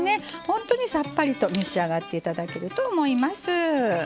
本当にさっぱりと召し上がっていただけると思います。